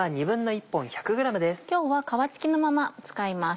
今日は皮付きのまま使います。